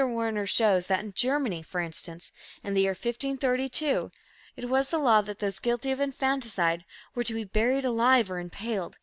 Werner shows that in Germany, for instance, in the year 1532, it was the law that those guilty of infanticide were "to be buried alive or impaled.